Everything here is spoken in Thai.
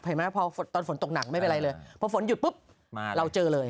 พอตอนฝนตกหนักไม่เป็นไรเลยพอฝนหยุดปุ๊บเราเจอเลย